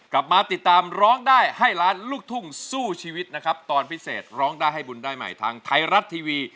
กลับมาติดตามร้องได้ให้ล้านลูกทุ่งสู้ชีวิตนะครับตอนพิเศษร้องได้ให้บุญได้ใหม่ทางไทยรัฐทีวี